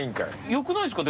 よくないっすか？